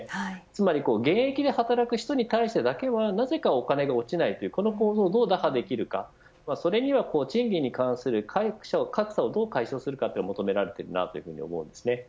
つまり現役で働く人に対してだけはお金が落ちない構造をどう打破できるかそれには賃金に関する格差をどう解消するかが求められています。